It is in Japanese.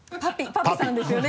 パピさんですよね